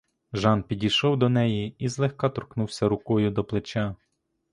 Жан підійшов до неї і злегка торкнувся рукою до плеча.